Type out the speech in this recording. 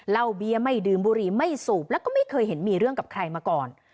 เบียร์ไม่ดื่มบุหรี่ไม่สูบแล้วก็ไม่เคยเห็นมีเรื่องกับใครมาก่อน